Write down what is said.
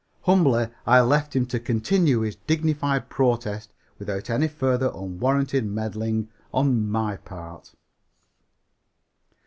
Humbly I left him to continue his dignified protest without any further unwarranted meddling on my part.